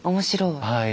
はい。